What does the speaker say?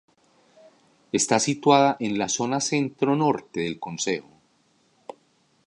Está situada en la zona centro-norte del concejo.